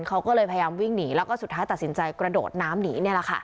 เขาก็เลยพยายามวิ่งหนีแล้วก็สุดท้ายตัดสินใจกระโดดน้ำหนี